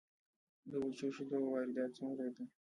د وچو شیدو واردات څومره دي؟